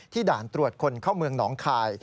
ด่านตรวจคนเข้าเมืองหนองคาย